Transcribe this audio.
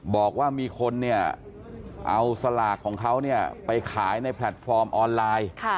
บอกว่ามีคนเนี่ยเอาสลากของเขาเนี่ยไปขายในแพลตฟอร์มออนไลน์